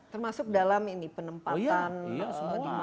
termasuk dalam ini penempatan